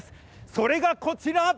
それがこちら。